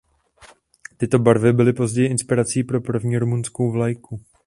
Tyto barvy byly později inspirací pro první rumunskou vlajku.